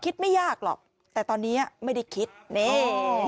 ไม่ยากหรอกแต่ตอนนี้ไม่ได้คิดนี่